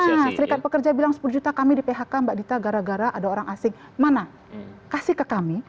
nah serikat pekerja bilang sepuluh juta kami di phk mbak dita gara gara ada orang asing mana kasih ke kami